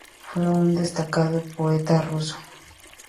Fue un destacado poeta ruso.